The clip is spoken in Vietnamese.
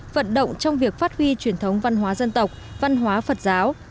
vận động trong việc phát huy truyền thống văn hóa dân tộc văn hóa phật giáo